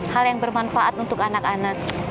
hal yang bermanfaat untuk anak anak